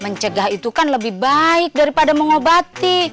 mencegah itu kan lebih baik daripada mengobati